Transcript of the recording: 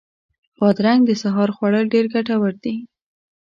بادرنګ د سهار خوړل ډېر ګټور دي.